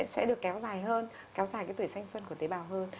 sẽ được kéo dài hơn kéo dài cái tuổi sanh xuân của tế bào hơn